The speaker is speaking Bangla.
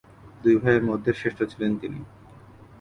দুই ভাইয়ের মধ্যে জ্যেষ্ঠ ছিলেন তিনি।